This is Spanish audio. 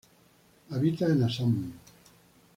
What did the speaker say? Habita en Assam.